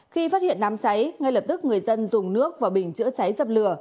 khi phát hiện đám cháy ngay lập tức người dân dùng nước và bình chữa cháy dập lửa